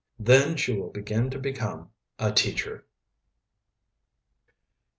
Then she will begin to become a "teacher."